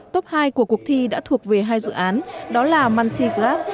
top hai của cuộc thi đã thuộc về hai dự án đó là mantigrad